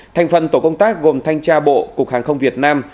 thành phần tổ công tác gồm thanh tra bộ cục hàng không việt nam